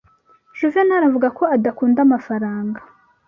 Juvenali avuga ko adakunda amafaranga.